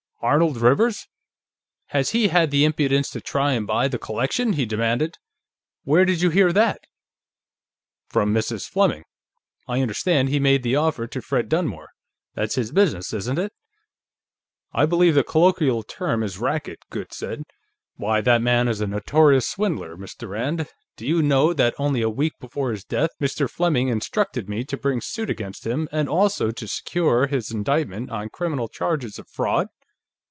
"Arnold Rivers? Has he had the impudence to try to buy the collection?" he demanded. "Where did you hear that?" "From Mrs. Fleming. I understand he made the offer to Fred Dunmore. That's his business, isn't it?" "I believe the colloquial term is 'racket,'" Goode said. "Why, that man is a notorious swindler! Mr. Rand, do you know that only a week before his death, Mr. Fleming instructed me to bring suit against him, and also to secure his indictment on criminal charges of fraud?"